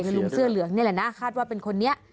ลุงเสื้อเหลืองนี่แหละนะคาดว่าเป็นคนนี้